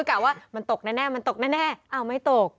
กล่าวว่ามันตกแน่อ้าวไม่ตก